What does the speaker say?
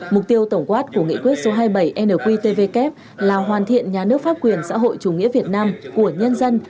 mục tiêu tổng quát của nghị quyết số hai mươi bảy nqtvk là hoàn thiện nhà nước pháp quyền xã hội chủ nghĩa việt nam của nhân dân